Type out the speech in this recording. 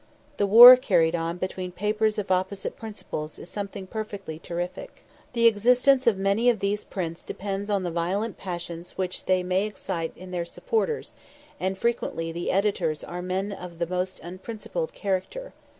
The war carried on between papers of opposite principles is something perfectly terrific. The existence of many of these prints depends on the violent passions which they may excite in their supporters, and frequently the editors are men of the most unprincipled character.